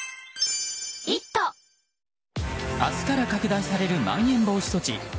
明日から拡大されるまん延防止措置。